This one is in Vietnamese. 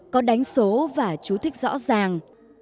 có đánh số và chú thích rõ ràng